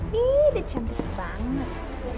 nih udah cantik banget